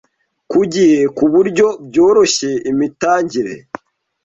ku gihe ku buryo byoroshya imitangire